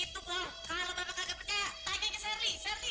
bapak jangan percaya itu bohong kalau bapak tidak percaya tanya ke sherly sherly